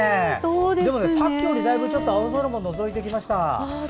でも、さっきよりだいぶ青空ものぞいてきました。